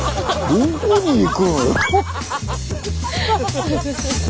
どこに行くの？